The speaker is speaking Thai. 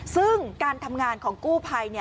ซึ่งการทำงานของกู้ภัย